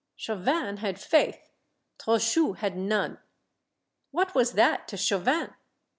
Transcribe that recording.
Chau vin had faith, Trochu had none. What was that to Chauvin?